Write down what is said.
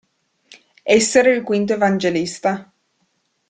Essere il quinto evangelista.